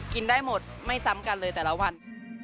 ได้หมดไม่ซ้ำกันเลยแต่ละวัน